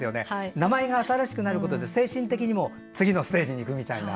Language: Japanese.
名前が新しくなることで精神的にも次のステージに行くみたいな。